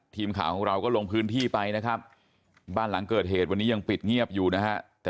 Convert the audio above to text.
ทีมข่าวของเราก็ลงพื้นที่ไปนะครับบ้านหลังเกิดเหตุวันนี้ยังปิดเงียบอยู่นะฮะ